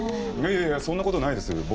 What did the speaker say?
いやいやそんなことないです。